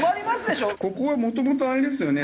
ここはもともとあれですよね